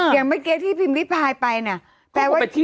อย่างเมื่อกี้พี่พิมพ์พิมพ์ริภายเมื่อก่อนไป